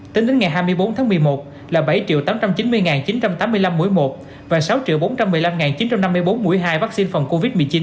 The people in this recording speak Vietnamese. tính đến ngày hai mươi bốn tháng một mươi một là bảy tám trăm chín mươi chín trăm tám mươi năm mũi một và sáu bốn trăm một mươi năm chín trăm năm mươi bốn mũi hai vaccine phòng covid một mươi chín